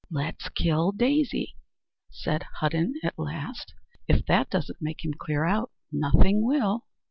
"Let's kill Daisy," said Hudden at last; "if that doesn't make him clear out, nothing will."